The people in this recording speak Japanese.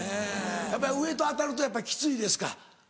やっぱり上と当たるとキツいですか？